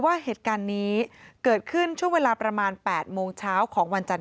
ว่าเหตุการณ์นี้เกิดขึ้นช่วงเวลาประมาณ๘โมงเช้าของวันจันทร์